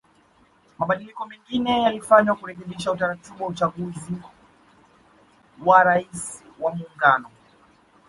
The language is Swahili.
Mabadiliko mengine yalifanywa kurekebisha utaratibu wa uchaguzi wa Rais wa Muungano